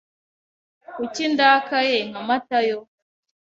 Kuki ndakaye nka matayo?